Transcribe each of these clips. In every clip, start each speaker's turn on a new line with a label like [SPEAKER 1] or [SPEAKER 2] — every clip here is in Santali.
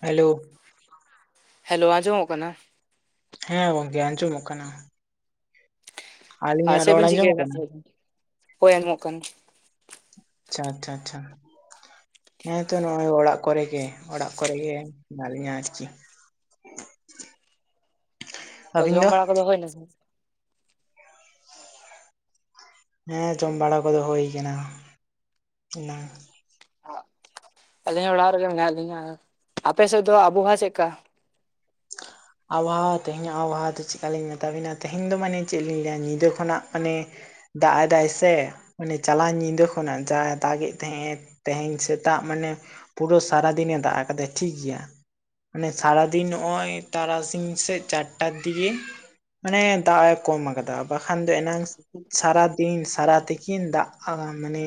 [SPEAKER 1] ᱦᱮᱞᱳ᱾
[SPEAKER 2] ᱦᱮᱞᱳ ᱟᱸᱡᱚᱢᱚᱜ ᱠᱟᱱᱟ?
[SPEAKER 1] ᱦᱮᱸ ᱜᱚᱝᱠᱮ ᱟᱸᱡᱚᱢᱚᱜ ᱠᱟᱱᱟ᱾
[SPEAKER 2] ᱟᱨ
[SPEAKER 1] ᱟᱹᱞᱤᱧᱟᱜ
[SPEAKER 2] ᱪᱮᱫ
[SPEAKER 1] ᱨᱚᱲ
[SPEAKER 2] ᱵᱮᱱ
[SPEAKER 1] ᱟᱸᱡᱚᱢᱚᱜ
[SPEAKER 2] ᱪᱤᱠᱟᱹᱭᱮᱫᱟ?
[SPEAKER 1] ᱠᱟᱱᱟ?
[SPEAKER 2] ᱦᱳᱭ ᱦᱳᱭ ᱟᱸᱡᱚᱢᱚᱜ ᱠᱟᱱᱟ᱾
[SPEAKER 1] ᱟᱪᱪᱷᱟ ᱟᱪᱪᱷᱟ ᱟᱪᱪᱷᱟ ᱾ ᱦᱮᱸᱛᱚ ᱱᱚᱸᱜᱼᱚᱭ ᱚᱲᱟᱜ ᱠᱚᱨᱮ ᱜᱮ ᱚᱲᱟᱜ ᱠᱚᱨᱮ ᱜᱮ ᱦᱮᱱᱟ ᱞᱤᱧᱟ ᱟᱨᱠᱤ᱾ ᱟᱹᱵᱤᱱ ᱫᱚ?
[SPEAKER 2] ᱡᱚᱢ ᱵᱟᱲᱟ ᱠᱚᱫᱚ ᱦᱳᱭᱱᱟᱥᱮ?
[SPEAKER 1] ᱦᱮᱸ ᱡᱚᱢ ᱵᱟᱲᱟ ᱠᱚᱫᱚ ᱦᱳᱭ ᱠᱟᱱᱟ ᱮᱱᱟᱝ᱾
[SPEAKER 2] ᱟᱹᱞᱤᱧ ᱦᱚᱸ ᱚᱲᱟᱜ ᱨᱮᱜᱮ ᱢᱮᱱᱟᱜ ᱞᱤᱧᱟ᱾ ᱟᱯᱮ ᱥᱮᱫ ᱫᱚ ᱟᱵᱚᱦᱟᱣᱟ ᱪᱮᱫᱠᱟ?
[SPEAKER 1] ᱟᱵᱚᱦᱟᱣᱟ ᱛᱮᱦᱮᱧᱟᱜ ᱟᱵᱚᱦᱟᱣᱟ ᱫᱚ ᱪᱤᱠᱟᱞᱤᱧ ᱢᱮᱛᱟᱵᱤᱱᱟ ᱛᱮᱦᱮᱧ ᱫᱚ ᱢᱟᱱᱮ ᱪᱮᱫ ᱞᱤᱧ ᱞᱟᱹᱭᱟ ᱧᱤᱫᱟᱹ ᱠᱷᱚᱱᱟᱜ ᱢᱟᱱᱮ ᱫᱟᱜ ᱮᱫᱟᱭ ᱥᱮ ᱢᱟᱱᱮ ᱪᱟᱞᱟᱣᱮᱱ ᱧᱤᱫᱟᱹ ᱠᱷᱚᱱᱟᱜ ᱡᱟ ᱫᱟᱜᱮ ᱛᱟᱦᱮᱸ ᱮ, ᱛᱮᱦᱮᱸᱧ ᱥᱮᱛᱟᱜ ᱢᱟᱱᱮ ᱯᱩᱨᱟᱹ ᱥᱟᱨᱟᱫᱤᱱᱮ ᱫᱟᱜ ᱟᱠᱟᱫᱟ ᱴᱷᱤᱠ ᱜᱮᱭᱟ᱾ ᱢᱟᱱᱮ ᱥᱟᱨᱟᱫᱤᱱ ᱱᱚᱸᱜᱼᱚᱭ ᱛᱟᱨᱟᱥᱤᱧ ᱥᱮᱫ ᱪᱟᱨᱴᱟ ᱫᱤᱜᱮ᱾ ᱢᱟᱱᱮ ᱫᱟᱜ ᱮ ᱠᱚᱢ ᱟᱠᱟᱫᱟ ᱵᱟᱠᱷᱟᱱ ᱫᱚ ᱮᱱᱟᱝ, ᱥᱟᱨᱟᱫᱤᱱ ᱥᱟᱨᱟ ᱛᱤᱠᱤᱱ ᱫᱟᱜ-ᱟ ᱢᱟᱱᱮ,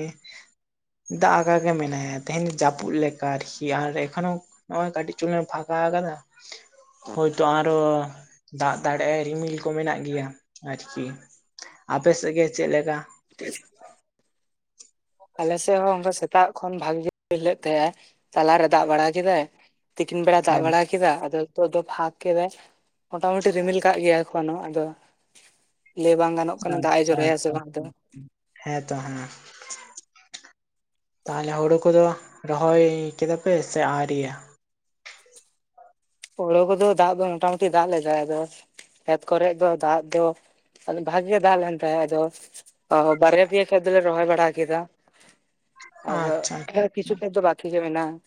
[SPEAKER 1] ᱫᱟᱜᱟᱠᱟ ᱜᱮ ᱢᱮᱱᱟᱭᱟ ᱛᱮᱦᱮᱸᱧ ᱡᱟᱹᱯᱩᱫ ᱞᱮᱠᱟ ᱟᱨᱠᱤ ᱟᱨ ᱮᱠᱷᱚᱱᱳ ᱱᱚᱸᱜᱼᱚᱭ ᱠᱟᱹᱴᱤᱡ ᱪᱩᱱᱮ ᱯᱷᱟᱸᱠᱟ ᱟᱠᱟᱫᱟ᱾ ᱦᱳᱭᱛᱳ ᱟᱨᱚ ᱫᱟᱜ ᱫᱟᱲᱮᱟᱭ ᱨᱤᱢᱤᱞ ᱠᱚ ᱢᱮᱱᱟᱜ ᱜᱮᱭᱟ ᱟᱨᱠᱤ᱾ ᱟᱯᱮ ᱥᱮᱫ ᱜᱮ ᱪᱮᱫ ᱞᱮᱠᱟ?
[SPEAKER 2] [unintelligible] ᱟᱞᱮ ᱥᱮᱫ ᱦᱚᱸ ᱚᱱᱠᱟ ᱥᱮᱛᱟᱜ ᱠᱷᱚᱱ ᱵᱷᱟᱜᱮ ᱤᱞᱟᱹᱜ ᱛᱟᱦᱮᱸᱼᱟ ᱛᱟᱞᱟᱨᱮ ᱫᱟᱜ ᱵᱟᱲᱟ ᱠᱮᱫᱟᱭ᱾ ᱛᱤᱠᱤᱱ ᱵᱮᱲᱟ ᱫᱟᱜ
[SPEAKER 1] ᱦᱮᱸ
[SPEAKER 2] ᱵᱟᱲᱟ ᱠᱮᱫᱟ ᱟᱫᱚ ᱛᱚ ᱫᱚ ᱯᱷᱟᱸᱠ ᱠᱮᱫᱟᱭ ᱢᱚᱴᱟ ᱢᱩᱴᱤ ᱨᱤᱢᱤᱞ ᱠᱟᱜ ᱜᱮᱭᱟ᱾ ᱮᱠᱷᱚᱱ ᱦᱚᱸ ᱟᱫᱚ ᱞᱟᱹᱭ ᱵᱟᱝ ᱜᱟᱱᱚᱜ ᱠᱟᱱᱟ ᱫᱟᱜ ᱮ ᱡᱚᱨᱚᱭᱟ ᱥᱮ ᱵᱟᱝ ᱫᱚ᱾
[SPEAKER 1] ᱦᱮᱸᱛᱚ ᱦᱟᱸᱜ᱾ ᱛᱟᱦᱞᱮ ᱦᱩᱲᱩ ᱠᱚᱫᱚ ᱨᱚᱦᱚᱭ ᱠᱮᱫᱟᱯᱮ ᱥᱮ ᱟᱣᱨᱤᱭᱟ?
[SPEAKER 2] ᱦᱳᱲᱳ ᱠᱚᱫᱚ ᱫᱟᱜ ᱫᱚ ᱢᱚᱴᱟ-ᱢᱩᱴᱤ ᱫᱟᱜ ᱞᱮᱫᱟᱭ ᱟᱫᱚᱥ ᱠᱷᱮᱛ ᱠᱚᱨᱮ ᱫᱚ ᱫᱟᱜ ᱫᱚ ᱵᱷᱟᱜᱮ ᱫᱟᱜ ᱞᱮᱱ ᱛᱟᱭᱟ ᱟᱫᱚ᱾ ᱚ ᱦᱚ ᱵᱟᱨᱭᱟ ᱯᱮᱭᱟ ᱠᱷᱮᱛ ᱞᱮ ᱨᱚᱦᱚᱭ ᱵᱟᱲᱟ ᱠᱮᱫᱟ᱾ ᱟᱫᱚ
[SPEAKER 1] ᱟᱪᱪᱷᱟ
[SPEAKER 2] ᱠᱷᱮᱛ ᱠᱤᱪᱷᱩ
[SPEAKER 1] ᱟᱪᱪᱷᱟ
[SPEAKER 2] ᱠᱷᱮᱛ ᱫᱚ ᱵᱟᱠᱤ ᱜᱮ ᱢᱮᱱᱟᱜᱼᱟ,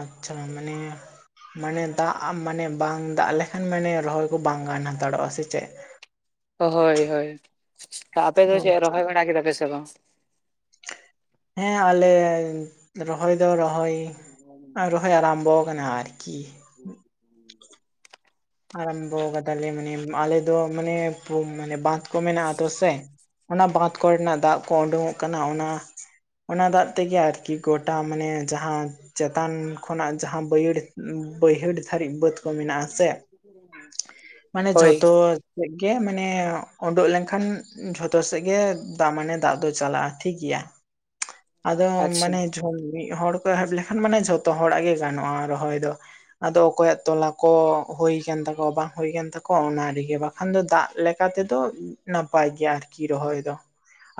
[SPEAKER 1] ᱟᱪᱪᱷᱟ ᱢᱟᱱᱮ, ᱢᱟᱱᱮ ᱫᱟᱜ ᱢᱟᱱᱮ ᱵᱟᱝ ᱫᱟᱜ ᱞᱮᱠᱷᱟᱱ ᱢᱟᱱᱮ ᱨᱚᱦᱚᱭ ᱠᱚ ᱵᱟᱝ ᱜᱟᱱ ᱦᱟᱛᱟᱲᱚᱜᱼᱟ ᱥᱮ ᱪᱮᱫ?
[SPEAKER 2] ᱦᱳᱭ ᱦᱳᱭ ᱟᱯᱮ ᱫᱚ ᱪᱮᱫ
[SPEAKER 1] ᱟᱪᱪᱷᱟ
[SPEAKER 2] ᱨᱚᱦᱚᱭ ᱵᱟᱲᱟ ᱠᱮᱫᱟ ᱯᱮ ᱥᱮ ᱵᱟᱝ?
[SPEAKER 1] ᱦᱮᱸ ᱟᱞᱮ ᱨᱚᱦᱚᱭ ᱫᱚ ᱨᱚᱦᱚᱭ ᱨᱚᱦᱚᱭ ᱟᱨᱟᱢᱵᱚ ᱠᱟᱱᱟ ᱟᱨᱠᱤ᱾
[SPEAKER 2] ᱦᱩᱸ,
[SPEAKER 1] ᱟᱨᱟᱢᱵᱚ ᱠᱟᱫᱟᱞᱮ ᱢᱟᱱᱮ ᱟᱞᱮ ᱫᱚ ᱢᱟᱱᱮ ᱳᱢ ᱢᱟᱱᱮ ᱵᱟᱸᱫᱷ ᱠᱚ ᱢᱮᱱᱟᱜ ᱟᱛᱚ ᱥᱮ, ᱚᱱᱟ ᱵᱟᱸᱫᱷ ᱠᱚᱨᱮᱱᱟᱜ ᱫᱟᱜ ᱠᱚ ᱳᱰᱳᱝᱚᱜ ᱠᱟᱱᱟ ᱚᱱᱟ᱾ ᱚᱱᱟ ᱫᱟᱜ ᱛᱮᱜᱮ ᱟᱨᱠᱤ ᱜᱚᱴᱟ ᱢᱟᱱᱮ ᱡᱟᱦᱟᱸ ᱪᱮᱛᱟᱱ ᱠᱷᱚᱱᱟᱜ ᱡᱟᱦᱟᱸ ᱵᱟᱹᱭᱦᱟᱹᱲ ᱵᱟᱹᱭᱦᱟᱹᱲ ᱫᱷᱟᱹᱨᱤᱡ ᱵᱟᱹᱫᱽ ᱠᱚ ᱢᱮᱱᱟᱜᱼᱟᱥᱮ, ᱢᱟᱱᱮ
[SPEAKER 2] ᱦᱳᱭ
[SPEAKER 1] ᱡᱷᱚᱛᱚ ᱥᱮᱫ ᱜᱮ ᱢᱟᱱᱮ ᱳᱰᱳᱠ ᱞᱮᱱᱠᱷᱟᱱ ᱡᱷᱚᱛᱚ ᱥᱮᱫ ᱜᱮ ᱫᱟᱜ ᱢᱟᱱᱮ ᱫᱟᱜ ᱫᱚ ᱪᱟᱞᱟᱜᱼᱟ ᱴᱷᱤᱠ ᱜᱮᱭᱟ᱾
[SPEAKER 2] [inaudible]
[SPEAKER 1] ᱟᱫᱚ
[SPEAKER 2] ᱟᱪᱪᱷᱟ
[SPEAKER 1] ᱢᱟᱱᱮ ᱡᱷᱚ ᱢᱤᱫ ᱦᱚᱲ, ᱮᱦᱚᱵᱽ ᱞᱮᱠᱷᱟᱱ ᱢᱟᱱᱮ ᱡᱷᱚᱛᱚ ᱦᱚᱲᱟᱜ ᱜᱮ ᱜᱟᱱᱚᱜᱼᱟ ᱨᱚᱦᱚᱭ ᱫᱚ ᱟᱫᱚ ᱚᱠᱚᱭᱟᱜ ᱛᱚᱞᱟ ᱠᱚ ᱦᱳᱭ ᱠᱟᱱ ᱛᱟᱠᱚᱣᱟ ᱵᱟᱝ ᱦᱳᱭ ᱠᱟᱱ ᱛᱟᱠᱚᱣᱟ ᱚᱱᱟ ᱨᱮᱜᱮ ᱵᱟᱠᱷᱟᱱ ᱫᱚ ᱫᱟᱜ ᱞᱮᱠᱟ ᱛᱮᱫᱚ ᱱᱟᱯᱟᱭ ᱜᱮᱭᱟ ᱟᱨᱠᱤ ᱨᱚᱦᱚᱭ ᱫᱚ᱾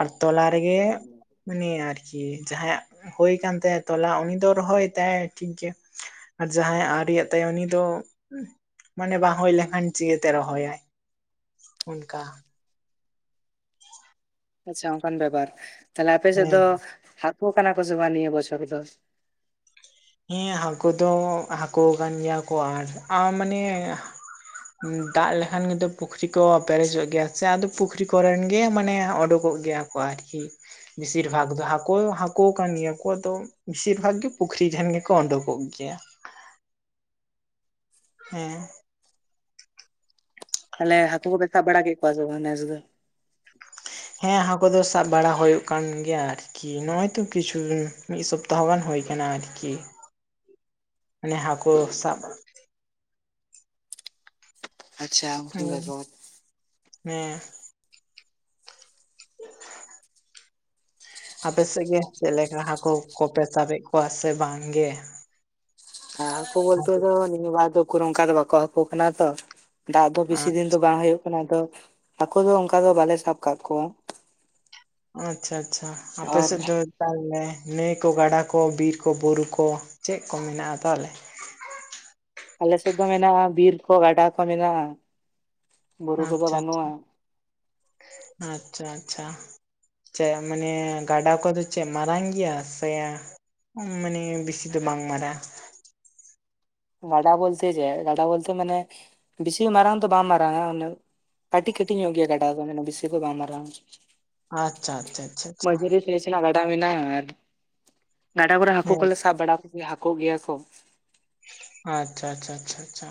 [SPEAKER 1] ᱟᱨ ᱛᱚᱞᱟ ᱨᱮ ᱜᱮ ᱾ ᱩᱱᱤᱭᱟᱜ ᱟᱨᱪᱤ ᱡᱟᱦᱟᱸᱭᱟᱜ ᱦᱳᱭ ᱠᱟᱱ ᱛᱟᱭᱟ ᱛᱚᱞᱟ ᱩᱱᱤ ᱫᱚ ᱨᱚᱦᱚᱭ ᱛᱟᱭ ᱴᱷᱤᱠ ᱜᱮ ᱾ ᱟᱨ ᱡᱟᱦᱟᱸᱭ ᱟᱜ ᱟᱣᱨᱤ ᱟᱜ ᱛᱟᱭᱟ ᱩᱱᱤ ᱫᱚ ᱢᱟᱱᱮ ᱵᱟ ᱦᱩᱭ ᱞᱮᱱᱠᱷᱟᱱ ᱪᱮᱛᱮ ᱨᱚᱦᱚᱭᱟᱭ? ᱚᱱᱠᱟ ᱾
[SPEAKER 2] ᱟᱪᱪᱷᱟ ᱚᱱᱠᱟᱱ ᱵᱮᱯᱟᱨ ᱛᱟᱦᱞᱮ ᱟᱯᱮ ᱥᱮᱫ
[SPEAKER 1] ᱦᱮᱸ
[SPEAKER 2] ᱫᱚ ᱦᱟᱠᱳ ᱠᱟᱱᱟ ᱠᱚ ᱥᱮ ᱵᱟᱝ ᱱᱤᱭᱟᱹ ᱵᱚᱪᱷᱚᱨ ᱫᱚ?
[SPEAKER 1] ᱦᱮᱸ ᱦᱟᱹᱠᱳ ᱫᱚ ᱦᱟᱹᱠᱳ ᱠᱟᱱ ᱜᱮᱭᱟ ᱠᱚ [unintelligible] ᱢᱟᱱᱮ ᱾ [inaudible] ᱫᱟᱜ ᱞᱮᱠᱷᱟᱱ ᱜᱮᱫᱚ ᱯᱩᱠᱷᱨᱤ ᱠᱚ ᱯᱮᱨᱮᱡᱚᱜ ᱜᱮᱭᱟ ᱪᱮ ᱟᱫᱚ ᱯᱩᱠᱷᱨᱤ ᱠᱚᱨᱮᱱ ᱜᱮ ᱢᱟᱱᱮ ᱳᱰᱚᱠᱚᱜ ᱜᱮᱭᱟ ᱾ ᱟᱨᱠᱤ ᱵᱮᱥᱤᱨ ᱵᱷᱟᱜᱽ ᱫᱚ ᱦᱟᱹᱠᱩ ᱦᱟᱹᱠᱩ ᱠᱟᱱ ᱜᱮᱭᱟ ᱠᱚ ᱟᱫᱚ ᱵᱮᱥᱤᱨ ᱵᱷᱟᱜᱽ ᱜᱮ ᱯᱩᱠᱷᱨᱤ [unintelligible] ᱜᱮᱠᱚ ᱩᱰᱩᱠᱚᱜ ᱜᱮᱭᱟ ᱾ ᱦᱮᱸ
[SPEAKER 2] ᱛᱟᱦᱞᱮ ᱦᱟᱹᱠᱩ ᱠᱚ ᱯᱮ ᱥᱟᱵ ᱵᱟᱲᱟ ᱠᱮᱫ ᱠᱚᱣᱟᱥᱮ ᱵᱟᱝ ᱱᱮᱥ ᱫᱚ?
[SPEAKER 1] ᱦᱮᱸ ᱦᱟᱹᱠᱩ ᱫᱚ ᱥᱟᱵ ᱵᱟᱲᱟ ᱦᱳᱭᱳᱜ ᱠᱟᱱ ᱜᱮᱭᱟ ᱟᱨ ᱾ ᱠᱤ ᱱᱚᱜᱼᱚᱭ ᱛᱚ ᱠᱤᱪᱷᱩ ᱫᱤᱱ ᱢᱤᱜ ᱥᱚᱯᱛᱟᱦᱚᱸ ᱜᱟᱱ ᱦᱳᱭ ᱠᱟᱱᱟ ᱟᱨᱠᱤ ᱾ ᱢᱟᱱᱮ ᱦᱟᱠᱳ ᱥᱟᱵ ᱾
[SPEAKER 2] ᱟᱪᱪᱷᱟ ᱟᱢ
[SPEAKER 1] ᱦᱮᱸ
[SPEAKER 2] ᱵᱮᱜᱚᱨ ᱾
[SPEAKER 1] ᱦᱮᱸ [inaudible] ᱟᱯᱮ ᱥᱮᱜ ᱜᱮ ᱪᱮᱜ ᱞᱮᱠᱟ ᱦᱟᱹᱠᱳ ᱠᱚᱯᱮ ᱥᱟᱵ ᱵᱮᱜ ᱠᱚᱣᱟ ᱥᱮ ᱵᱟᱝ ᱜᱮ?
[SPEAKER 2] ᱦᱟᱹᱠᱳ ᱵᱚᱞᱛᱮ ᱫᱚ ᱱᱤᱭᱟᱹ ᱵᱟᱨ ᱫᱚ ᱠᱳᱱᱳ ᱚᱱᱠᱟ ᱫᱚ ᱵᱟᱠᱚ ᱦᱟᱹᱠᱳᱜ ᱠᱟᱱᱟ ᱛᱚ ᱾ ᱫᱟᱜ ᱫᱚ
[SPEAKER 1] ᱟᱨ
[SPEAKER 2] ᱵᱮᱥᱤ ᱫᱤᱱ ᱫᱚ ᱵᱟᱝ ᱦᱩᱭᱩᱜ ᱠᱟᱱᱟ ᱟᱫᱚ ᱦᱟᱹᱠᱩ ᱫᱚ ᱚᱱᱠᱟ ᱫᱚ ᱵᱟᱞᱮ ᱥᱟᱵ ᱠᱟᱜ ᱠᱚᱣᱟ ᱾
[SPEAKER 1] ᱟᱪᱪᱷᱟ ᱟᱪᱪᱷᱟ ᱟᱯᱮ
[SPEAKER 2] ᱟᱨ
[SPEAKER 1] ᱥᱮᱫ ᱫᱚ? [unintelligible] ᱱᱟᱹᱭ ᱠᱚ ᱜᱟᱰᱟ ᱠᱚ ᱵᱤᱨ ᱠᱚ ᱵᱩᱨᱩ ᱠᱚ ᱪᱮᱜ ᱠᱚ ᱢᱮᱱᱟᱜ ᱟ ᱛᱟᱦᱚᱞᱮ?
[SPEAKER 2] ᱟᱞᱮ ᱥᱮᱫ ᱫᱚ ᱢᱮᱱᱟᱜᱼᱟ ᱵᱤᱨ ᱠᱚ ᱜᱟᱰᱟ ᱠᱚ ᱢᱮᱱᱟᱜᱼᱟ ᱾
[SPEAKER 1] ᱟᱪᱪᱷᱟ [inaudible] ᱟᱪᱪᱷᱟ ᱟᱪᱪᱷᱟ ᱾ ᱪᱮᱜ ᱢᱟᱱᱮ ᱜᱟᱰᱟ ᱠᱚᱫᱚ ᱪᱮᱜ ᱢᱟᱨᱟᱝ ᱜᱮᱭᱟ ᱥᱮ ᱢᱟᱱᱮ ᱵᱮᱥᱤ ᱫᱚ ᱵᱟᱝ ᱢᱟᱨᱟ ᱾
[SPEAKER 2] ᱜᱟᱰᱟ ᱵᱚᱞᱛᱮ ᱪᱮᱜ ᱜᱟᱰᱟ ᱵᱚᱞᱛᱮ ᱢᱟᱱᱮ ᱵᱮᱥᱤ ᱢᱟᱨᱟᱝ ᱫᱚ ᱵᱟᱝ ᱢᱟᱨᱟᱝ ᱟ ᱩᱱᱟᱹᱜ ᱾ ᱠᱟᱹᱴᱤᱡ ᱠᱟᱹᱴᱤᱡ ᱧᱚᱜ ᱜᱮᱭᱟ ᱜᱟᱰᱟ ᱫᱚ ᱢᱟᱱᱮ ᱵᱮᱥᱤ ᱫᱚ ᱵᱟᱝ ᱢᱟᱨᱟᱝᱼᱟ ᱾
[SPEAKER 1] ᱟᱪᱪᱷᱟ ᱟᱪᱪᱷᱟ ᱟᱪᱪᱷᱟ ᱟᱪᱪᱷᱟ ᱾
[SPEAKER 2] ᱯᱮ ᱥᱮᱱᱟᱜ ᱜᱟᱰᱟ ᱢᱮᱱᱟᱜ ᱟ ᱟᱨ ᱜᱟᱰᱟ ᱠᱚᱨᱮ ᱦᱟᱹᱠᱩ
[SPEAKER 1] ᱦᱮᱸ
[SPEAKER 2] ᱠᱚᱞᱮ ᱥᱟᱵ ᱵᱟᱲᱟ ᱠᱚᱜᱮᱭᱟ ᱦᱟᱹᱠᱳᱜ ᱜᱮᱭᱟ ᱠᱚ ᱾
[SPEAKER 1] ᱟᱪᱪᱷᱟ ᱟᱪᱪᱷᱟ ᱟᱪᱪᱷᱟ ᱟᱪᱪᱷᱟ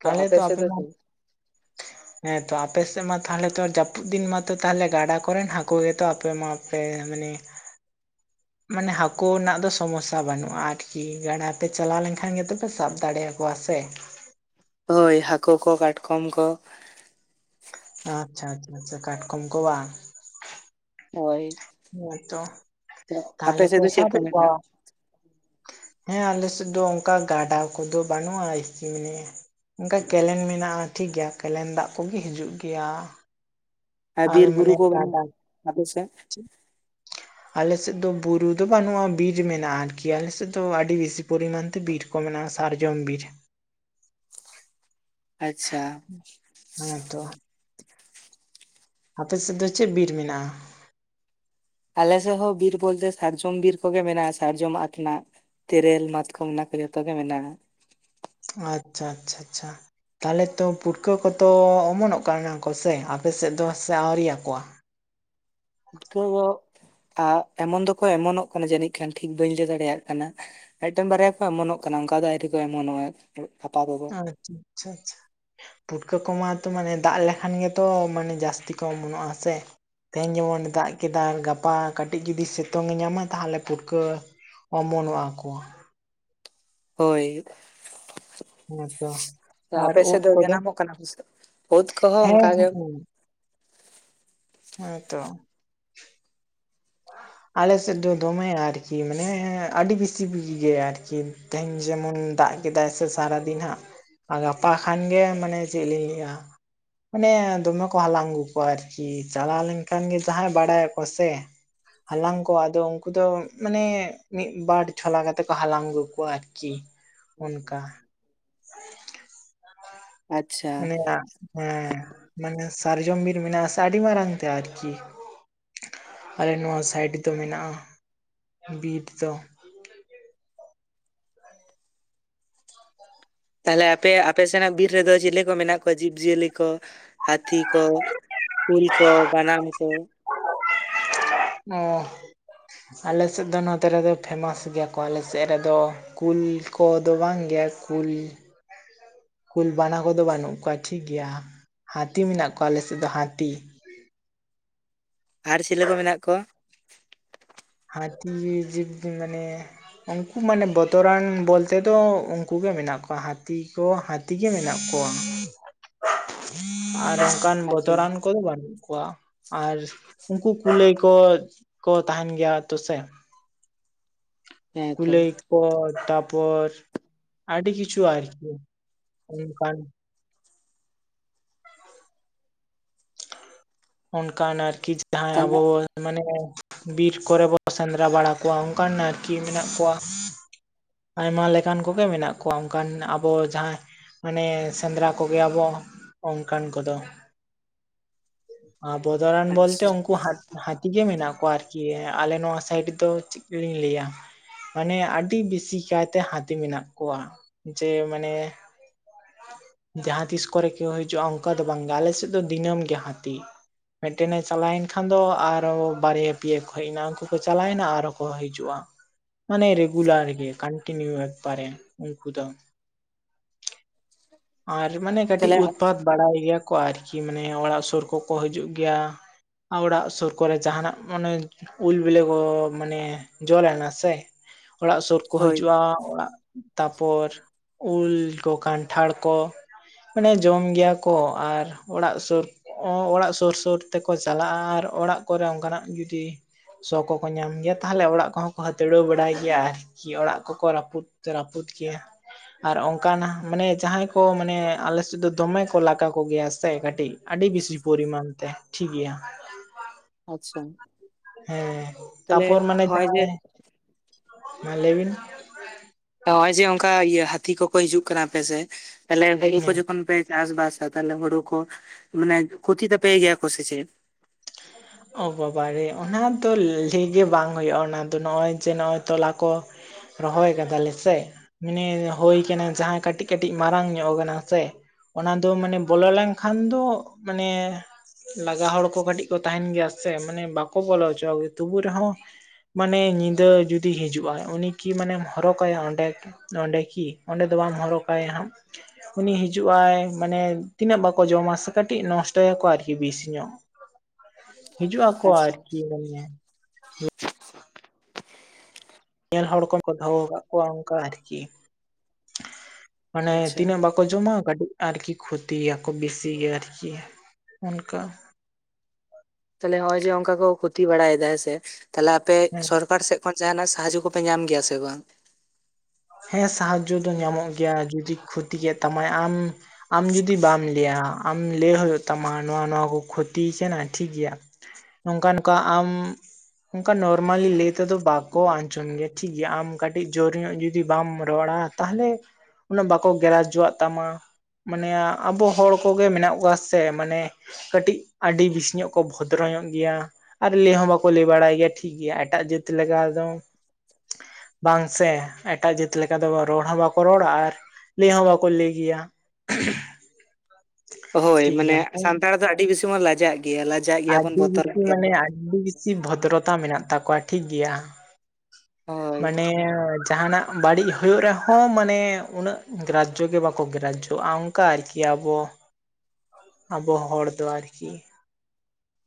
[SPEAKER 1] ᱛᱟᱞᱦᱮ ᱛᱚ ᱟᱯᱮ ᱢᱟ
[SPEAKER 2] [inaudible]
[SPEAKER 1] ᱦᱮᱸᱛᱚ ᱟᱯᱮ ᱥᱮᱜ ᱢᱟ ᱛᱷᱟᱞᱮ ᱛᱚ ᱡᱟᱹᱯᱩᱫ ᱫᱤᱱ ᱢᱟᱛᱚ ᱛᱟᱦᱚᱞᱮ ᱜᱟᱰᱟ ᱠᱚᱨᱮᱱ ᱦᱟᱹᱠᱩ ᱜᱮᱛᱚ ᱟᱯᱮ ᱢᱟ ᱥᱮ ᱢᱟᱱᱮ ᱢᱟᱱᱮ ᱦᱟᱹᱠᱳ ᱱᱟᱜ ᱫᱚ ᱥᱚᱢᱚᱥᱥᱟ ᱵᱟᱹᱱᱩᱜᱼᱟ ᱟᱨᱠᱤ ᱜᱟᱰᱟ ᱯᱮ ᱪᱟᱞᱟᱣ ᱞᱮᱱᱠᱷᱟᱱ ᱜᱮᱛᱚᱯᱮ ᱥᱟᱵ ᱫᱟᱲᱮ ᱠᱚᱣᱟ ᱥᱮ ᱾
[SPEAKER 2] ᱦᱳᱭ ᱦᱟᱹᱠᱳ ᱠᱚ ᱠᱟᱴᱠᱚᱢ ᱠᱚ ᱾
[SPEAKER 1] ᱟᱪᱪᱷᱟ ᱪᱷᱟ ᱪᱷᱟ ᱠᱟᱴᱠᱚᱢ ᱠᱚ ᱵᱟᱝ ᱾
[SPEAKER 2] ᱦᱳᱭ
[SPEAKER 1] ᱦᱮᱸᱛᱚ
[SPEAKER 2] ᱫᱚᱜ ᱟᱯᱮ
[SPEAKER 1] ᱛᱟᱦᱚᱞᱮ
[SPEAKER 2] ᱥᱮᱫ ᱫᱚ ᱪᱮᱫ ᱠᱚ
[SPEAKER 1] ᱥᱟᱵᱮᱫ ᱠᱚᱣᱟ
[SPEAKER 2] ᱢᱮᱱᱟᱜᱼᱟ?
[SPEAKER 1] ᱦᱮᱸ ᱟᱞᱮ ᱥᱮᱫ ᱫᱚ ᱚᱝᱠᱟ ᱜᱟᱰᱟ ᱠᱚᱫᱚ ᱵᱟᱹᱱᱩᱜᱼᱟ ᱮᱠᱤ ᱢᱟᱱᱮ ᱾ ᱩᱝᱠᱟ ᱠᱮᱱᱮᱞ ᱢᱮᱱᱟᱜᱼᱟ ᱴᱷᱤᱠ ᱜᱮᱭᱟ ᱠᱮᱱᱮᱞ ᱫᱟᱜ ᱠᱚᱜᱮ ᱦᱤᱡᱩᱜ ᱜᱮᱭᱟ ᱾
[SPEAKER 2] ᱟᱨ ᱵᱤᱨ ᱵᱩᱨᱩ ᱠᱚ ᱵᱟᱱᱩᱜᱼᱟ ᱟᱯᱮ ᱥᱮᱜ?
[SPEAKER 1] ᱟᱞᱮᱥᱮᱫ ᱫᱚ ᱵᱩᱨᱩ ᱫᱚ ᱵᱟᱹᱱᱩᱜᱼᱟ ᱵᱤᱨ ᱢᱮᱱᱟᱜᱼᱟ ᱟᱨᱠᱤ ᱟᱞᱮᱥᱮᱫ ᱫᱚ ᱟᱹᱰᱤ ᱵᱮᱥᱤ ᱯᱚᱨᱤᱢᱟᱱ ᱛᱮ ᱵᱤᱨ ᱠᱚ ᱢᱮᱱᱟᱜᱼᱟ ᱥᱟᱨᱡᱚᱢ ᱵᱤᱨ ᱾
[SPEAKER 2] ᱟᱪᱪᱷᱟ ᱾
[SPEAKER 1] ᱦᱮᱸ ᱛᱚ ᱟᱯᱮ ᱥᱮᱫ ᱫᱚ ᱪᱮᱫ ᱵᱤᱨ ᱢᱮᱱᱟᱜᱼᱟ?
[SPEAKER 2] ᱟᱞᱮᱥᱮᱫ ᱦᱚᱸ ᱵᱤᱨ ᱵᱚᱞᱛᱮ ᱥᱟᱨᱡᱚᱢ ᱵᱤᱨ ᱠᱚᱜᱮ ᱢᱮᱱᱟᱜ-ᱟ ᱥᱟᱨᱡᱚᱢ ᱟᱛᱱᱟᱜ ᱛᱮᱨᱮᱞ ᱢᱟᱛᱠᱚᱢ ᱚᱱᱟᱠᱚ ᱡᱚᱛᱚ ᱜᱮ ᱢᱮᱱᱟᱜ-ᱟ᱾
[SPEAKER 1] ᱟᱪᱪᱷᱟᱼᱟᱪᱪᱷᱟᱼᱟᱪᱪᱷᱟ ᱛᱟᱦᱚᱞᱮ ᱛᱚ ᱯᱩᱴᱠᱟᱹ ᱠᱚᱛᱚ ᱚᱢᱚᱱᱚᱜ ᱠᱟᱱᱟ ᱠᱚ ᱥᱮ ᱟᱯ ᱥᱮᱫ ᱫᱚ ᱥᱮ ᱟᱣᱨᱤᱭᱟᱠᱚᱣᱟ?
[SPEAKER 2] ᱯᱩᱴᱠᱟᱹᱜᱚᱜ [unintelligible] ᱮᱢᱚᱱ ᱫᱚᱠᱚ ᱮᱢᱚᱱᱚᱜ ᱠᱟᱱᱟ ᱡᱟᱹᱱᱤᱡ ᱠᱷᱟᱱ ᱴᱷᱤᱠ ᱵᱟᱹᱧ ᱞᱟᱹᱭ ᱫᱟᱲᱮᱭᱟᱜ ᱠᱟᱱᱟ᱾ ᱢᱤᱫᱴᱮᱱ ᱵᱟᱨᱭᱟ ᱠᱚ ᱮᱢᱚᱱᱚᱜ ᱠᱟᱱᱟ ᱚᱱᱠᱟ ᱫᱚ ᱟᱭᱨᱤ ᱠᱚ ᱮᱢᱚᱱᱚᱜ-ᱟ ᱦᱟᱛᱟᱣ ᱫᱟ ᱠᱚ᱾
[SPEAKER 1] ᱟᱪᱪᱷᱟᱼᱟᱪᱪᱷᱟ ᱯᱩᱴᱠᱟᱹ ᱠᱚᱢᱟᱛᱚ ᱢᱟᱱᱮ ᱫᱟᱜ ᱞᱮᱠᱷᱟᱱ ᱜᱮᱛᱚ ᱢᱟᱱᱮ ᱡᱟᱹᱥᱛᱤ ᱠᱚ ᱚᱢᱚᱱᱚᱜ-ᱟ ᱦᱮᱸᱥᱮᱼᱼ ᱛᱮᱦᱤᱧ ᱡᱮᱢᱚᱱ ᱫᱟᱜ ᱠᱮᱫᱟᱭ ᱜᱟᱯᱟ ᱠᱟᱹᱴᱤᱡ ᱡᱩᱫᱤ ᱥᱤᱛᱩᱝ ᱮ ᱧᱟᱢᱟ ᱛᱟᱦᱚᱞᱮ ᱯᱷᱩᱴᱠᱟᱹᱼᱼ ᱚᱢᱚᱱᱚᱜ-ᱟ ᱠᱚ ᱾
[SPEAKER 2] ᱦᱳᱭ
[SPEAKER 1] ᱦᱮᱸᱛᱚ ᱟᱨ
[SPEAKER 2] ᱟᱯᱮ ᱥᱮᱫ
[SPEAKER 1] ᱩᱫ
[SPEAKER 2] ᱫᱚ
[SPEAKER 1] ᱠᱚᱫᱚ
[SPEAKER 2] ᱡᱟᱱᱟᱢᱚᱜ ᱠᱟᱱᱟ ᱠᱚ ᱥᱮ ᱵᱟᱝ ᱵᱟᱹᱫᱽ ᱠᱚᱦᱚᱸ ᱚᱱᱠᱟ
[SPEAKER 1] ᱦᱮᱸ
[SPEAKER 2] ᱜᱮ
[SPEAKER 1] ᱦᱮᱸ ᱛᱚ ᱟᱞᱮᱥᱮᱫ ᱫᱚ ᱫᱚᱢᱮ ᱟᱨᱠᱤ ᱢᱟᱱᱮ ᱟᱹᱰᱤ ᱵᱤᱥᱤ ᱵᱤᱡᱽ ᱜᱮᱭᱟ ᱟᱨᱠᱤ ᱛᱮᱦᱮᱧ ᱡᱮᱢᱚᱱ ᱫᱟᱜ ᱠᱮᱫᱟᱭ ᱥᱮ ᱥᱟᱨᱟ ᱫᱤᱱ ᱦᱟᱸᱜ ᱟᱨ ᱜᱟᱯᱟ ᱠᱷᱟᱱ ᱜᱮ ᱢᱟᱱᱮ ᱪᱮᱫ ᱞᱤᱧ ᱞᱟᱹᱭᱟ ᱢᱟᱱᱮ ᱫᱚᱢᱮ ᱠᱚ ᱦᱟᱞᱟᱝ ᱟᱹᱜᱩ ᱠᱚᱣᱟ ᱟᱨᱠᱤ ᱪᱟᱞᱟᱣ ᱞᱮᱱᱠᱷᱟᱱ ᱜᱮ ᱡᱟᱦᱟᱸᱭ ᱵᱟᱰᱟᱭᱟᱠᱚ ᱥᱮ ᱦᱟᱞᱟᱝ ᱠᱚ ᱟᱫᱚ ᱩᱱᱠᱩ ᱫᱚ ᱢᱟᱱᱮ ᱢᱤᱫ ᱵᱟᱨ ᱪᱷᱚᱞᱟ ᱠᱟᱛᱮ ᱠᱚ ᱦᱟᱞᱟᱝ ᱟᱹᱜᱩ ᱠᱚᱣᱟ ᱟᱨᱠᱤ ᱠᱤ
[SPEAKER 2] [inaudible] ᱟᱪᱪᱷᱟ
[SPEAKER 1] ᱢᱟᱱᱮ ᱦᱮᱸ ᱢᱟᱱᱮ ᱥᱟᱨᱡᱚᱢ ᱵᱤᱨ ᱢᱮᱱᱟᱜ ᱟᱥᱮ ᱟᱹᱰᱤ ᱢᱟᱨᱟᱝ ᱛᱮ ᱟᱨᱠᱤ ᱟᱞᱮ ᱱᱚᱣᱟ ᱥᱟᱭᱤᱰ ᱫᱚ ᱢᱮᱱᱟᱜ-ᱟ᱾ ᱵᱤᱨ ᱫᱚᱼᱼ
[SPEAKER 2] ᱛᱟᱦᱞᱮ ᱟᱯᱮ ᱟᱯᱮ ᱥᱮᱱᱟᱜ ᱵᱤᱨ ᱨᱮᱫᱚ ᱪᱤᱞᱤ ᱠᱚ ᱢᱮᱱᱟᱜ ᱠᱚᱣᱟ ᱡᱤᱵᱽᱼᱡᱤᱭᱟᱹᱞᱤ ᱠᱚ ᱦᱟᱹᱛᱤ ᱠᱚ ᱠᱩᱞ ᱠᱚ ᱵᱟᱱᱟᱢ ᱠᱚ
[SPEAKER 1] ᱚᱸ ᱟᱞᱮᱥᱮᱫ ᱫᱚ ᱱᱚᱛᱮ ᱨᱮᱫᱚ ᱯᱷᱮᱢᱟᱥ ᱜᱮᱭᱟ ᱠᱚ ᱟᱞᱮᱥᱮᱫ ᱨᱮᱫᱚ ᱠᱩᱞ ᱠᱚ ᱫᱚ ᱵᱟᱝ ᱜᱮ ᱠᱩᱞ ᱠᱩᱞ ᱵᱟᱱᱟ ᱠᱚᱫᱚ ᱵᱟᱹᱱᱩᱜ ᱠᱚᱣᱟ ᱴᱷᱤᱠ ᱜᱮᱭᱟ ᱦᱟᱹᱛᱤ ᱢᱮᱱᱟᱜ ᱠᱚᱣᱟ ᱟᱞᱮᱥᱮᱫ ᱫᱚ ᱦᱟᱹᱛᱤ᱾
[SPEAKER 2] ᱟᱨ ᱥᱤᱞᱮᱹ ᱠᱚ ᱢᱮᱱᱟᱜ ᱠᱚᱣᱟ?
[SPEAKER 1] ᱦᱟᱹᱛᱤ ᱡᱤᱵᱽ ᱢᱟᱱᱮᱼᱼ ᱩᱱᱠᱩ ᱢᱟᱱᱮ ᱵᱚᱛᱚᱨᱟᱱ ᱵᱚᱞᱛᱮ ᱫᱚ ᱩᱱᱠᱩᱜ ᱜᱮ ᱢᱮᱱᱟᱜ ᱠᱚᱣᱟ ᱦᱟᱹᱛᱤ ᱠᱚ ᱦᱟᱛ ᱛᱤᱜᱮ ᱢᱮᱱᱟᱜ ᱠᱚᱣᱟ ᱟᱨ ᱚᱱᱠᱟᱱ
[SPEAKER 2] ᱟᱪᱪᱷᱟ
[SPEAKER 1] ᱵᱚᱛᱚᱨᱟᱱ ᱠᱚᱫᱚ ᱵᱟᱹᱱᱩᱜ ᱠᱚᱣᱟ᱾ ᱟᱨ ᱩᱱᱠᱩ ᱠᱩᱞᱟᱹᱭ ᱠᱚᱼᱠᱚ ᱛᱟᱦᱮᱸᱱ ᱜᱮᱭᱟ ᱛᱚ ᱥᱮ
[SPEAKER 2] ᱦᱮᱸ ᱛᱚ
[SPEAKER 1] ᱠᱩᱞᱟᱹᱭ ᱠᱚ ᱛᱟᱯᱚᱨ ᱟᱹᱰᱤ ᱠᱤᱪᱷᱩ ᱟᱨᱠᱤ ᱚᱱᱠᱟᱱ ᱚᱱᱠᱟᱱ ᱟᱨᱠᱤ ᱡᱟᱦᱟᱸᱭ ᱟᱵᱚᱼᱼ
[SPEAKER 2] ᱛᱟᱦᱞᱮ
[SPEAKER 1] ᱢᱟᱱᱮ ᱵᱤᱨ ᱠᱚᱨᱮ ᱵᱚᱱ ᱥᱮᱸᱫᱽᱨᱟ ᱵᱟᱲᱟ ᱠᱚᱣᱟ ᱚᱱᱠᱟᱱ ᱟᱨᱠᱤ ᱢᱮᱱᱟᱜ ᱠᱚᱣᱟ᱾ ᱟᱭᱢᱟ ᱞᱮᱠᱟᱱ ᱠᱚᱜᱮ ᱢᱮᱱᱟᱜ ᱠᱚᱣᱟ ᱚᱱᱠᱟᱱ ᱟᱵᱚ ᱡᱟᱦᱟᱸᱭ ᱢᱟᱱᱮ ᱥᱮᱸᱫᱽᱨᱟ ᱠᱚᱜᱮᱭᱟᱵᱚ ᱚᱱᱠᱟᱱ ᱠᱚᱫᱚ᱾ ᱟᱫᱚ ᱩᱫᱷᱟᱨᱟᱱ ᱵᱚᱞᱛᱮ
[SPEAKER 2] ᱟᱪᱪᱷᱟ
[SPEAKER 1] ᱩᱱᱠᱩ ᱦᱟᱛ ᱦᱟᱹᱛᱤ ᱜᱮ ᱢᱮᱱᱟᱜ ᱠᱚᱣᱟ ᱟᱨᱠᱤ ᱟᱞᱮ ᱱᱚᱣᱟ ᱥᱟᱭᱤᱰ ᱫᱚ ᱪᱮᱫ ᱞᱤᱧ ᱞᱟᱹᱭᱟᱼᱼ ᱢᱟᱱᱮ ᱟᱹᱰᱤ ᱵᱤᱥᱤ ᱠᱟᱭᱛᱮ ᱦᱟᱹᱛᱤ ᱢᱮᱱᱟᱜ ᱠᱚᱣᱟ ᱡᱮ ᱢᱟᱱᱮᱼᱼ ᱡᱟᱦᱟᱸ ᱛᱤᱥ ᱠᱚᱨᱮ ᱠᱚ ᱦᱤᱡᱩᱜ-ᱟ ᱚᱱᱠᱟ ᱫᱚ ᱵᱟᱝ ᱟᱞᱮ ᱥᱮᱫ ᱫᱚ ᱫᱤᱱᱟᱹᱢ ᱜᱮ ᱦᱟᱹᱛᱤ᱾ ᱢᱤᱫᱴᱮᱱᱮ ᱪᱟᱞᱟᱣᱮᱱ ᱠᱷᱟᱱ ᱫᱚ ᱟᱨᱚ ᱵᱟᱨᱭᱟ ᱯᱤᱭᱟ ᱠᱚ ᱦᱮᱡ ᱮᱱᱟ ᱩᱱᱠᱩ ᱠᱚ ᱪᱟᱞᱟᱣᱮᱱᱟ ᱟᱨᱚᱸ ᱠᱚ ᱦᱤᱡᱩᱜ-ᱟ᱾
[SPEAKER 2] [inaudible]
[SPEAKER 1] ᱢᱟᱱᱮ ᱨᱮᱜᱩᱞᱟᱨ ᱜᱮ ᱠᱟᱱᱴᱤᱱᱤᱭᱩ ᱮᱠᱵᱟᱨᱮ ᱩᱱᱠᱩ ᱫᱚ
[SPEAKER 2] [inaudible]
[SPEAKER 1] ᱟᱨ ᱢᱟᱱᱮ ᱠᱟᱹᱴᱤᱡ
[SPEAKER 2] ᱛᱟᱦᱞᱮ
[SPEAKER 1] ᱩᱛᱯᱟᱛ ᱵᱟᱲᱟᱭ ᱜᱮᱭᱟ ᱠᱚ ᱟᱨᱠᱤ ᱢᱟᱱᱮ ᱚᱲᱟᱜ ᱥᱳᱨ ᱠᱚᱠᱚ ᱦᱤᱡᱩᱜ ᱜᱮᱭᱟ᱾ ᱚᱲᱟᱜ ᱥᱩᱨ ᱠᱚᱨᱮ ᱡᱟᱦᱟᱱᱟᱜ ᱢᱟᱱᱮ ᱩᱞ ᱵᱤᱞᱮ ᱠᱚ ᱢᱟᱱᱮ ᱡᱚ ᱞᱮᱱᱟ ᱥᱮ ᱚᱲᱟᱜ ᱥᱩᱨ ᱠᱚ
[SPEAKER 2] ᱦᱳᱭ
[SPEAKER 1] ᱦᱤᱡᱩᱜᱼᱟ ᱚᱲᱟᱜ ᱛᱟᱨᱯᱚᱨ ᱩᱞ ᱠᱚ ᱠᱟᱱᱴᱷᱟᱲ ᱠᱚ ᱢᱟᱱᱮ ᱡᱚᱢ ᱜᱮᱭᱟ ᱠᱚ ᱟᱨ ᱚᱲᱟᱜ ᱥᱩᱨ ᱚᱲᱟᱜ ᱥᱩᱨ ᱥᱩᱨ ᱛᱮᱠᱚ ᱪᱟᱞᱟᱜᱼᱟ ᱟᱨ ᱚᱲᱟᱜ ᱠᱚᱨᱮ ᱚᱱᱠᱟᱱᱟᱜ ᱡᱩᱫᱤ ᱥᱚ ᱠᱚᱠᱚ ᱧᱟᱢ ᱜᱮᱭᱟ ᱛᱟᱦᱞᱮ ᱚᱲᱟᱜ ᱠᱚᱦᱚᱸ ᱠᱚ ᱦᱟᱹᱛᱲᱟᱹᱣ ᱵᱟᱲᱟᱭ ᱜᱮᱭᱟ ᱟᱨ ᱠᱤ ᱚᱲᱟᱜ ᱠᱚ ᱨᱩᱫ ᱨᱟᱹᱯᱩᱫ ᱜᱮᱭᱟ ᱟᱨ ᱚᱱᱠᱱᱟᱜ ᱢᱟᱱᱮ ᱡᱟᱦᱟᱸᱭ ᱠᱚ ᱠᱚ ᱢᱟᱱᱮ ᱟᱞᱮᱥᱮᱫ ᱫᱚ ᱫᱚᱢᱮ ᱠᱚ ᱞᱟᱜ ᱠᱚᱜᱮᱭᱟ ᱥᱮ ᱠᱟᱹᱴᱤᱡ ᱟᱹᱰᱤ ᱵᱮᱥᱤ ᱯᱚᱨᱤᱢᱟᱱ ᱛᱮ ᱴᱷᱤᱠ ᱜᱮᱭᱟ,
[SPEAKER 2] ᱟᱪᱪᱷᱟ᱾
[SPEAKER 1] ᱦᱮᱸ
[SPEAKER 2] ᱛᱟᱦᱞᱮ
[SPEAKER 1] ᱛᱟᱯᱚᱨ ᱢᱟᱱᱮ
[SPEAKER 2] ᱦᱚᱜᱼᱚᱭ ᱡᱮ
[SPEAKER 1] ᱡᱟᱦᱟᱸᱢᱟ ᱞᱟᱹᱭ ᱵᱤᱱ
[SPEAKER 2] ᱱᱚᱜᱚᱭ ᱡᱮ ᱚᱱᱠᱟ ᱦᱟᱹᱛᱤ ᱠᱚᱠᱚ ᱦᱤᱡᱩᱜ ᱠᱟᱱᱟ ᱟᱯᱮᱥᱮᱫ ᱵᱚᱞᱮ ᱦᱩ ᱠᱚ
[SPEAKER 1] ᱦᱮᱸ
[SPEAKER 2] ᱡᱚᱠᱷᱚᱱ ᱯᱮ ᱪᱟᱥ ᱵᱟᱥᱟ ᱛᱟᱦᱚᱞᱮ ᱦᱩᱲᱩ ᱠᱚ ᱢᱟᱱᱮ ᱠᱷᱚᱛᱤ ᱛᱟᱯᱮ ᱜᱮᱭᱟ ᱠᱚᱥᱮ ᱪᱮᱫ?
[SPEAKER 1] ᱚ ᱵᱟᱵᱨᱮ ᱚᱱᱟ ᱫᱚ ᱞᱟᱹᱭ ᱜᱮ ᱵᱟᱝ ᱦᱩᱭᱩᱜ-ᱟ ᱚᱱᱟ ᱫᱚ ᱱᱚᱜ-ᱚᱭ ᱡᱮ ᱱᱚᱜ-ᱚᱭ ᱛᱚᱞᱟ ᱠᱚ ᱨᱚᱦᱚᱭ ᱠᱟᱫᱟᱞᱮ ᱥᱮ ᱢᱟᱱᱮ ᱦᱳᱭ ᱠᱟᱱᱟ ᱡᱟᱦᱟᱸᱭ ᱠᱟᱹᱴᱤᱡ ᱠᱟᱹᱴᱤᱡ ᱢᱟᱨᱟᱝ ᱧᱚᱜ ᱠᱟᱱᱟ ᱥᱮ, ᱚᱱᱟ ᱫᱚ ᱢᱟᱱᱮ ᱵᱚᱞᱚ ᱞᱮᱱᱠᱷᱟᱱ ᱫᱚ ᱢᱟᱱᱮ ᱞᱟᱜᱟ ᱦᱚᱲ ᱠᱚ ᱠᱟᱹᱴᱤᱡ ᱠᱚ ᱛᱟᱦᱮᱱ ᱜᱮᱭᱟ ᱥᱮ ᱢᱟᱱᱮ ᱵᱟᱠᱚ ᱵᱚᱞᱚ ᱦᱚᱪᱚᱣᱟ ᱜᱮᱭᱟ ᱛᱩᱵᱩ ᱨᱮᱦᱚᱸ ᱢᱟᱱᱮ ᱧᱤᱫᱟᱹ ᱡᱩᱫᱤ ᱦᱤᱡᱩᱜᱟᱭ ᱩᱱᱤ ᱠᱤ ᱢᱟᱱᱮᱢ ᱦᱚᱨᱚᱠᱟᱭᱟ ᱚᱸᱰᱮ, ᱚᱸᱰᱮ ᱠᱤ ᱚᱸᱰᱮ ᱫᱚ ᱵᱟᱢ ᱦᱚᱨᱚᱜ ᱠᱟᱭᱟ ᱦᱟᱸᱜ, ᱩᱱᱤ ᱦᱤᱡᱩᱜᱼ ᱟᱭ ᱢᱟᱱᱮ ᱛᱤᱱᱟᱹᱜ ᱵᱟᱠᱚ ᱡᱚᱢᱟ ᱥᱮ ᱠᱟᱹᱴᱤᱡ ᱱᱚᱥᱴᱚᱭᱟᱠᱚ ᱟᱨᱠᱤ ᱵᱮᱥᱤ ᱧᱚᱜ᱾ ᱦᱤᱡᱩᱜ ᱟᱠᱚ
[SPEAKER 2] ᱟᱪᱪᱷᱟ
[SPEAKER 1] ᱟᱨᱠᱤ ᱢᱟᱱᱮ ᱧᱮᱞ ᱦᱚᱲ ᱠᱚᱢ ᱠᱚ ᱫᱚᱦᱚ ᱟᱠᱟᱫ ᱠᱚᱣᱟ ᱚᱱᱠᱟ ᱟᱨᱠᱤ ᱢᱟᱱᱮ
[SPEAKER 2] ᱟᱪᱪᱷᱟ
[SPEAKER 1] ᱛᱤᱱᱟᱹᱜ ᱵᱟᱠᱚ ᱠᱚ ᱡᱚᱢᱟ ᱠᱟᱹᱴᱤᱡ ᱟᱨᱠᱤ ᱠᱷᱚᱛᱤᱭᱟ ᱠᱚ ᱵᱮᱥᱤ ᱜᱮᱤᱭᱟ ᱟᱨᱠᱤ ᱚᱱᱠᱟ
[SPEAKER 2] ᱛᱟᱦᱞᱮ ᱱᱚᱜ ᱚᱚᱭ ᱡᱮ ᱚᱱᱠᱟ ᱠᱚ ᱠᱷᱩᱚᱛᱤ ᱵᱟᱲᱟᱭᱮᱫᱟ ᱦᱮᱸ ᱥᱮ ᱛᱟᱦᱞᱮ ᱟᱯᱮ
[SPEAKER 1] ᱦᱮᱸ
[SPEAKER 2] ᱥᱚᱨᱠᱟᱨ ᱥᱮᱫ ᱛᱚᱠᱷᱚᱱ ᱡᱟᱦᱱᱟᱜ ᱥᱟᱦᱟᱡᱚ ᱠᱚᱯᱮ ᱧᱟᱢ ᱜᱮᱭᱟ ᱥᱮ ᱵᱟᱝ?
[SPEAKER 1] ᱦᱮᱸ ᱥᱟᱦᱟᱡᱡᱚ ᱫᱚ ᱧᱟᱢᱚᱜ ᱜᱮᱭᱟ ᱡᱩᱫᱤ ᱠᱷᱚᱛᱤ ᱠᱮᱫ ᱛᱟᱢᱟᱭ ᱟᱢ ᱟᱢ ᱡᱩᱫᱤ ᱵᱟᱢ ᱞᱟᱹᱭᱟ ᱟᱢ ᱞᱟᱹᱭ ᱦᱩᱭᱩᱜ ᱛᱟᱢᱟ ᱱᱚᱣᱟ ᱱᱚᱣᱟ ᱠᱚ ᱠᱷᱚᱛᱤᱭ ᱠᱟᱱᱟ ᱴᱷᱤᱠ ᱜᱮᱭᱟ, ᱱᱚᱝᱠᱟ ᱱᱚᱝᱠᱟ ᱟᱢ ᱚᱱᱠᱟ ᱱᱚᱨᱢᱟᱞᱤ ᱞᱟᱹᱭ ᱛᱮᱫᱚ ᱵᱟᱠᱚ ᱟᱸᱪᱚᱱ ᱜᱮᱭᱟ ᱴᱷᱤᱠᱜᱮᱭᱟ ᱟᱢ ᱠᱟᱹᱴᱤᱡ ᱡᱳᱨ ᱧᱚᱜ ᱡᱩᱫᱤ ᱡᱩᱫᱤ ᱵᱟᱢ ᱨᱚᱲᱟ ᱛᱟᱦᱞᱮ ᱩᱱᱟᱹᱜ ᱵᱟᱠᱚ ᱜᱮᱨᱟᱡᱚᱣᱟᱜ ᱛᱟᱢᱟ, ᱢᱟᱱᱮ ᱟᱵᱚ ᱦᱚᱲ ᱠᱚᱜᱮ ᱢᱮᱱᱟᱜ ᱠᱚᱣᱟ ᱥᱮ ᱢᱟᱱᱮ ᱠᱟᱹᱴᱤᱡ ᱟᱹᱰᱤ ᱵᱮᱥᱤ ᱧᱚᱜ ᱠᱚ ᱵᱷᱚᱫᱨᱚ ᱧᱚᱜ ᱜᱮᱭᱟ᱾ ᱟᱨ ᱞᱟᱹᱭ ᱦᱚᱸ ᱵᱟᱠᱚ ᱞᱟᱹᱭ ᱵᱟᱲᱟᱭ ᱜᱮᱭᱟ ᱴᱷᱤᱠ ᱜᱮᱭᱟ ᱮᱴᱟᱜ ᱡᱟᱹᱛ ᱞᱮᱠᱟ ᱫᱚ, ᱵᱟᱝ ᱥᱮ? ᱮᱴᱟᱜ ᱡᱟᱹᱛ ᱞᱮᱠᱟ ᱫᱚ ᱨᱚᱲ ᱦᱚᱸ ᱵᱟᱠᱚ ᱨᱚᱲᱟ ᱟᱨ ᱞᱟᱹᱭ ᱦᱚᱸ ᱵᱟᱠᱚ ᱞᱟᱹᱭ ᱜᱮᱭᱟ,
[SPEAKER 2] ᱦᱳᱭ
[SPEAKER 1] ᱴᱷᱤᱠ ᱜᱮᱭᱟ
[SPEAKER 2] ᱢᱟᱱᱮ ᱥᱟᱱᱛᱟᱲ ᱫᱚ ᱟᱹᱰᱤ ᱵᱮᱥᱤ ᱵᱚᱱ ᱞᱟᱡᱟᱜ ᱜᱮᱭᱟ ᱞᱟᱡ
[SPEAKER 1] ᱟᱹᱰᱤ ᱵᱮᱥᱤ ᱢᱟᱱᱮ ᱟᱹᱰᱤ ᱵᱮᱥᱤ ᱵᱷᱚᱫᱨᱚᱛᱟ ᱢᱮᱱᱟᱜ ᱛᱟᱠᱚᱣᱟ ᱴᱷᱤᱠᱜᱮᱭᱟ,
[SPEAKER 2] ᱦᱳᱭ
[SPEAKER 1] ᱢᱟᱱᱮ ᱡᱟᱦᱟᱱᱟᱜ ᱵᱟᱹᱲᱤᱡ ᱦᱩᱭᱩᱜ ᱨᱮᱦᱚᱸ ᱢᱟᱱᱮ ᱩᱱᱟᱹᱜ ᱜᱨᱟᱡᱽᱡᱚ ᱜᱮ ᱵᱟᱠᱚ ᱜᱨᱟᱡᱽᱡᱚᱣᱟᱜ-ᱟ ᱚᱱᱠᱟ ᱟᱨᱠᱤ ᱟᱵᱚ ᱟᱵᱚ ᱦᱚᱲ ᱫᱚ ᱟᱨᱠᱤ,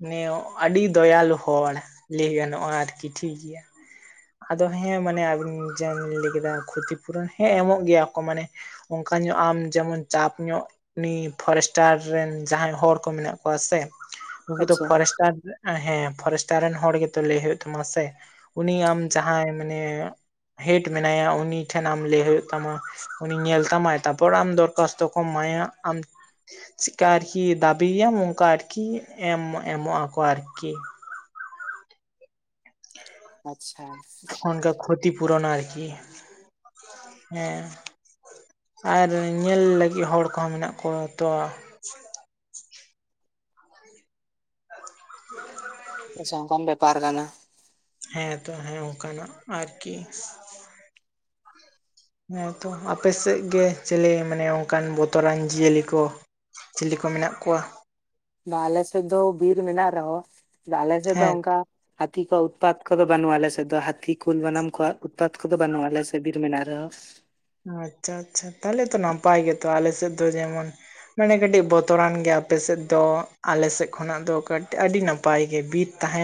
[SPEAKER 1] ᱱᱮᱭᱚ ᱟᱰᱤ ᱫᱚᱭᱟᱞᱚ ᱦᱚᱲ ᱞᱮᱭ ᱜᱟᱱᱚᱜᱼᱟ ᱟᱨᱠᱤ ᱴᱷᱤᱠ ᱜᱮᱭᱟ ᱟᱫᱚ ᱦᱮᱸ ᱢᱟᱱᱮ ᱟᱵᱤᱱ ᱡᱟ ᱵᱤᱱ ᱞᱮ ᱠᱮᱫᱟ ᱠᱷᱚᱛᱤ ᱯᱩᱨᱚᱱ ᱦᱮᱸ ᱮᱢᱚᱜ ᱜᱮᱭᱟ ᱠᱚ ᱢᱟᱱᱮ ᱚᱝᱠᱟ ᱧᱚᱜ ᱟᱢ ᱡᱮᱢᱚᱱ ᱪᱟᱯ ᱧᱚᱜ ᱩᱱᱤ ᱯᱷᱚᱨᱮᱥ ᱴᱟᱨ ᱨᱮᱱ ᱡᱟᱦᱟᱸᱭ ᱦᱚᱲ ᱠᱚ ᱢᱮᱱᱟᱜ ᱠᱚᱣᱟ ᱥᱮ ᱩᱱᱠᱩ ᱫᱚ
[SPEAKER 2] ᱟᱪᱪᱷᱟ
[SPEAKER 1] ᱯᱷᱚᱨᱮᱥᱴᱟᱨ ᱦᱮ ᱯᱷᱚᱨᱮᱥᱴᱟᱨ ᱨᱮᱱ ᱦᱚᱲ ᱜᱮᱛᱚ ᱞᱮᱭ ᱦᱩᱭᱩᱜ ᱛᱟᱢᱟ ᱥᱮ ᱩᱱᱤ ᱟᱢ ᱡᱟᱦᱟᱭ ᱢᱟᱱᱮ ᱦᱮᱰ ᱢᱮᱱᱟᱭᱟ ᱩᱱᱤ ᱴᱷᱮᱱ ᱟᱢ ᱞᱮᱭ ᱦᱩᱭᱩᱜ ᱛᱟᱢᱟ ᱩᱱᱤ ᱧᱮᱞ ᱛᱟᱢᱟᱭ ᱛᱟᱨᱯᱚᱨ ᱟᱢ ᱫᱚᱨᱠᱥᱛᱚ ᱠᱚ ᱮᱢᱟᱭᱟ ᱟᱢ ᱪᱤᱠᱟ ᱟᱨ ᱠᱤ ᱫᱟᱵᱤᱭᱟᱢ ᱚᱱᱠᱟ ᱟᱨᱠᱤ ᱮᱢ ᱮᱢᱚᱜ ᱟᱠᱚ ᱟᱨᱠᱤ
[SPEAKER 2] ᱟᱪᱷᱟ
[SPEAKER 1] ᱚᱝᱠᱟ ᱠᱷᱚᱛᱤ ᱯᱩᱨᱚᱱᱟ ᱟᱨ ᱠᱤ ᱦᱮ ᱟᱨ ᱧᱮᱞ ᱞᱟᱹᱜᱤᱫ ᱦᱚᱲ ᱠᱚᱦᱚ ᱢᱮᱱᱟᱜ ᱠᱚᱣᱟ ᱛᱚ
[SPEAKER 2] ᱟᱪᱷᱟ ᱚᱱᱠᱟᱱ ᱵᱮᱯᱟᱨ ᱠᱟᱱᱟ
[SPEAKER 1] ᱦᱮ ᱛᱚ ᱦᱮ ᱚᱱᱠᱟᱱᱟᱜ ᱟᱨᱠᱤ
[SPEAKER 2] [inaudible]
[SPEAKER 1] ᱦᱮ ᱛᱚ ᱟᱯᱮ ᱥᱮ ᱜᱮ ᱪᱮᱞᱮ ᱢᱟᱱᱮ ᱚᱱᱠᱟᱱ ᱵᱚᱛᱚᱨᱟᱱ ᱡᱤᱭᱟᱹᱞᱤ ᱠᱚ ᱪᱤᱞᱤ ᱠᱚ ᱢᱮᱱᱟᱜ ᱠᱚᱣᱟ
[SPEAKER 2] ᱟᱞᱮ ᱥᱮᱫ ᱫᱚ ᱵᱤᱨ ᱢᱮᱱᱟᱜ ᱨᱮᱦᱚᱸ ᱟᱞᱮ ᱥᱮᱫ ᱫᱚ
[SPEAKER 1] ᱦᱮᱸ
[SPEAKER 2] ᱚᱝᱠᱟ ᱦᱟᱛᱤ ᱠᱚ ᱩᱛᱯᱟᱛ ᱠᱚᱫᱚ ᱵᱟᱱᱩᱜ ᱟᱞᱮ ᱥᱮᱫ ᱫᱚ ᱦᱟᱛᱤ ᱠᱩᱞ ᱵᱟᱱᱟᱢ ᱠᱚᱣᱟ ᱩᱛᱯᱟᱛ ᱠᱚᱫᱚ ᱵᱟᱱᱩᱜ ᱟᱞᱮ ᱥᱮᱫ ᱵᱤᱨ ᱢᱮᱱᱟᱜ ᱨᱮᱦᱚ
[SPEAKER 1] ᱟᱪᱷᱟ ᱟᱪᱷᱟ ᱛᱟᱦᱞᱮ ᱛᱚ ᱱᱟᱯᱟᱭ ᱜᱮᱛᱚ ᱟᱞᱮ ᱥᱮᱫ ᱫᱚ ᱡᱮᱢᱚᱱ ᱢᱟᱱᱮ ᱠᱟᱹᱴᱤᱡ ᱵᱚᱛᱚᱨᱟᱱ ᱜᱮ ᱟᱯᱮ ᱥᱮᱫ ᱫᱚ ᱟᱞᱮ ᱥᱮᱫ ᱠᱷᱚᱱᱟᱜ ᱫᱚ ᱠᱟᱹ ᱟᱹᱰᱤ ᱱᱟᱯᱟᱭ ᱜᱮ ᱵᱤᱨ ᱛᱟᱦᱮᱱ